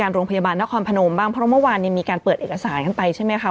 โรงพยาบาลนครพนมบ้างเพราะเมื่อวานมีการเปิดเอกสารกันไปใช่ไหมคะ